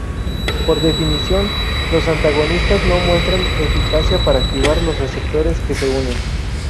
Por definición, los antagonistas no muestran eficacia para activar los receptores que se unen.